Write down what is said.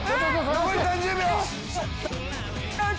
残り２０秒。